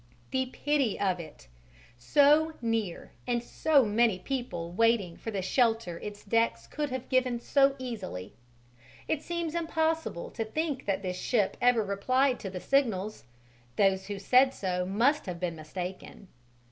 The pity of it! So near, and so many people waiting for the shelter its decks could have given so easily. It seems impossible to think that this ship ever replied to the signals: those who said so must have been mistaken.